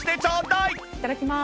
いただきまーす。